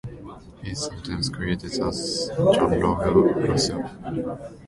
He is sometimes credited as John Lowell Russell.